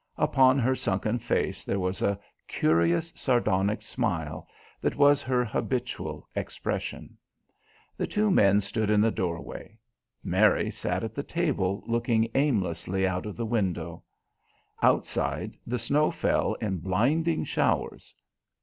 Upon her sunken face there was a curious sardonic smile that was her habitual expression. The two men stood in the doorway. Mary sat at the table looking aimlessly out of the window. Outside, the snow fell in blinding showers.